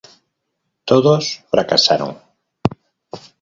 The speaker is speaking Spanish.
Todos fracasaron.